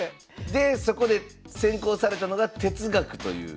でそこで専攻されたのが哲学という。